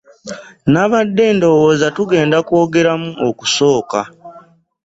Nabadde ndowooza tugenda kwogeramu okusooka.